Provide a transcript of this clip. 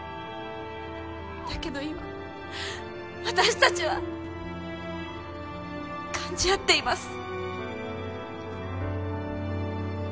だけど今私達は感じ合っています。